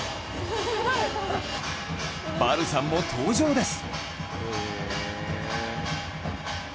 バルさんも登場です